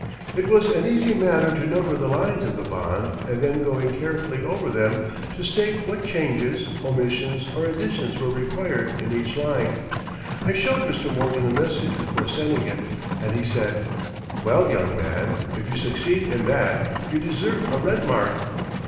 It was an easy matter to number the lines of the bond and then going carefully over them to state what changes, omissions, or additions were required in each line. I showed Mr. Morgan the message before sending it and he said: "Well, young man, if you succeed in that you deserve a red mark."